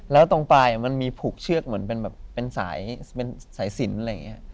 แล้วตรงปลายมันมีผูกเชือกเหมือนเป็นแบบเป็นสายสินอะไรอย่างนี้